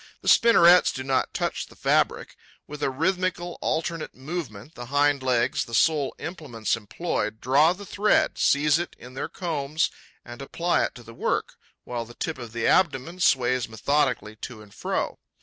The spinnerets do not touch the fabric. With a rhythmical, alternate movement, the hind legs, the sole implements employed, draw the thread, seize it in their combs and apply it to the work, while the tip of the abdomen sways methodically to and fro.